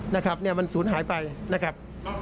นะครับเนี่ยมันสูญหายไปนะครับ